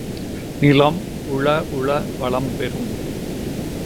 நிலம் உழ உழ வளம் பெறும்.